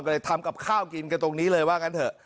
ก็เลยทำกับข้าวกินกันตรงนี้เลยว่างั้นเถอะ